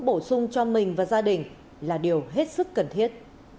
bổ sung cho mình và gia đình là điều hết sức cần thiết